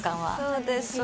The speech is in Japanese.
そうですね。